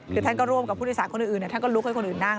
คือท่านก็ร่วมกับผู้โดยสารคนอื่นท่านก็ลุกให้คนอื่นนั่ง